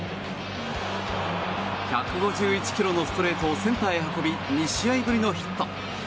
１５１キロのストレートをセンターへ運び２試合ぶりのヒット。